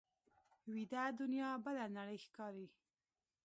ویده دنیا بله نړۍ ښکاري